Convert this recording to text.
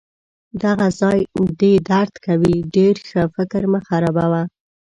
دغه ځای دي درد کوي؟ ډیر ښه! فکر مه خرابوه.